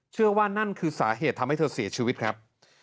นั่นคือสาเหตุทำให้เธอเสียชีวิตครับ